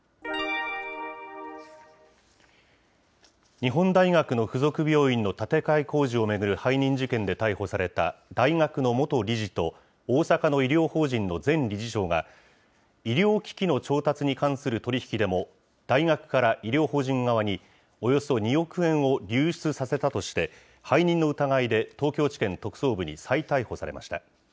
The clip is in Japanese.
日本大学の付属病院の建て替え工事を巡る背任事件で逮捕された大学の元理事と、大阪の医療法人の前理事長が、医療機器の調達に関する取り引きでも、大学から医療法人側におよそ２億円を流出させたとして、背任の疑いで、東京地検特捜部に再逮捕されました。